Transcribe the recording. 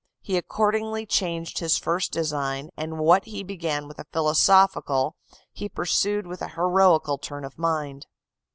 He accordingly changed his first design, and what he began with a philosophical he pursued with an heroical turn of mind."